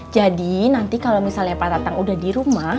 jadi nanti kalau misalnya pak tatang udah di rumah